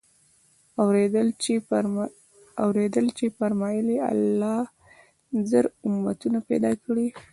اورېدلي چي فرمايل ئې: الله زر امتونه پيدا كړي